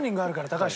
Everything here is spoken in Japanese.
高橋